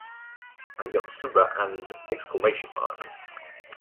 A Yotsuba and !